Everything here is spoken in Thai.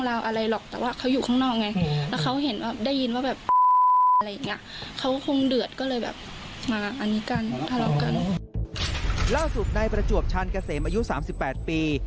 ล่าสุดนายประจวบชาญเกษมอายุ๓๘ปี